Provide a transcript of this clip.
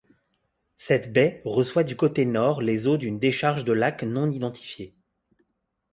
Cette baie reçoit du côté Nord les eaux d'une décharge de lacs non identifiés.